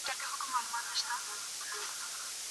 تش په رنګ وي نازېدلی